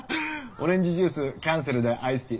オレンジジュースキャンセルでアイスティー。